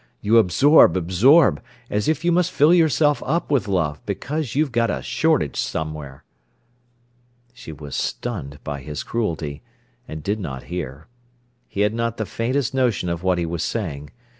You absorb, absorb, as if you must fill yourself up with love, because you've got a shortage somewhere." She was stunned by his cruelty, and did not hear. He had not the faintest notion of what he was saying.